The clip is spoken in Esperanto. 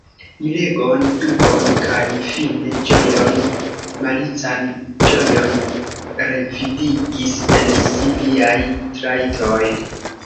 Miregon, dubon kaj fine ĝojon, malican ĝojon revidigis en si liaj trajtoj.